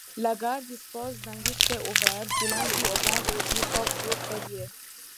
La gare dispose d'un guichet ouvert du lundi au vendredi sauf jours fériés.